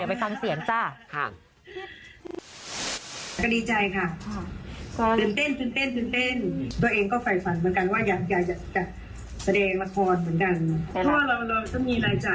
อ่ะเดี๋ยวไปฟังเสียงจ้า